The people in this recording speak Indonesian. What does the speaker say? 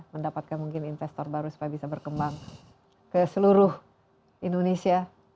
mendapatkan mungkin investor baru supaya bisa berkembang ke seluruh indonesia